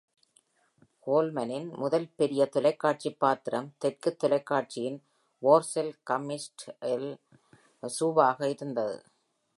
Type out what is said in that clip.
கோல்மனின் முதல் பெரிய தொலைக்காட்சி பாத்திரம் தெற்கு தொலைக்காட்சியின் "வோர்செல் கம்மிட்ஜ்" இல் சூவாக இருந்தது.